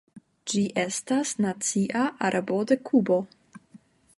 Ĝi estas nacia arbo de Kubo.